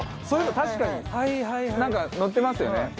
そういえば確かになんかのってますよね。